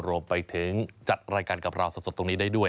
รวมไปถึงจัดรายการกับเราสดตรงนี้ได้ด้วย